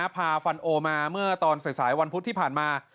ฟันโอมาเมื่อตอนสายวันพุธที่ผ่านมา